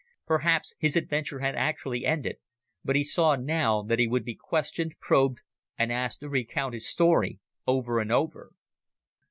Perhaps his adventure had actually ended, but he saw now that he would be questioned, probed, and asked to recount his story over and over.